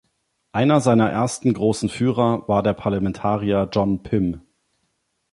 Einer seiner ersten großen Führer war der Parlamentarier John Pym.